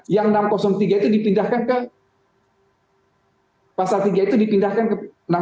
yang enam ratus tiga itu dipindahkan ke enam ratus dua